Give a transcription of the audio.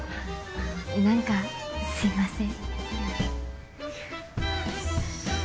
なんかすいません。